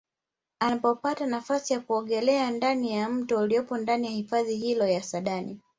Anapopata nafasi ya kuogelea ndani ya mto uliopo ndani ya hifadhi hiyo ya Saadani